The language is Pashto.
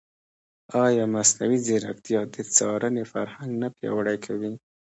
ایا مصنوعي ځیرکتیا د څارنې فرهنګ نه پیاوړی کوي؟